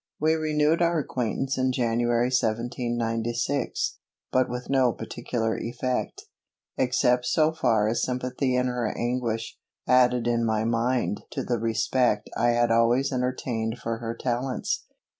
We renewed our acquaintance in January 1796, but with no particular effect, except so far as sympathy in her anguish, added in my mind to the respect I had always entertained for her talents.